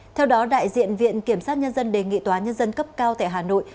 theo đó đại diện viện kiểm sát nhân dân đề nghị tòa nhân dân cấp cao tại hà nội